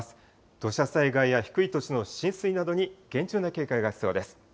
土砂災害や低い土地の浸水などに厳重な警戒が必要です。